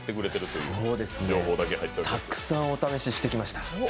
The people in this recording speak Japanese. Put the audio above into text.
そうですね、たくさんお試ししてきました。